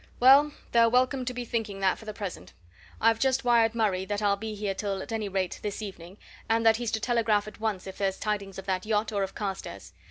Well they're welcome to be thinking that for the present. I've just wired Murray that I'll be here till at any rate this evening, and that he's to telegraph at once if there's tidings of that yacht or of Carstairs.